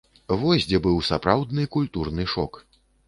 Вось дзе быў сапраўдны культурны шок!